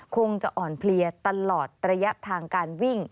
คงจะอ่อนเพลียตลอดระยะทางการวิ่ง